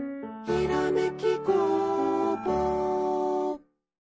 「ひらめき」